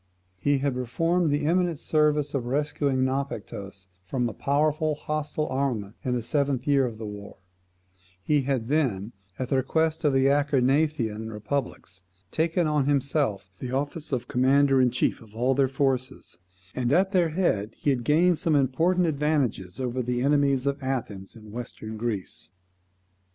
He had performed the eminent service of rescuing Naupactus from a powerful hostile armament in the seventh year of the war; he had then, at the request of the Acarnanian republics, taken on himself the office of commander in chief of all their forces, and at their head he had gained some important advantages over the enemies of Athens in Western Greece.